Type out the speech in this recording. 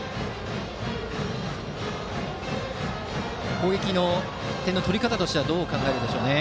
攻撃の点の取り方はどう考えるでしょうか。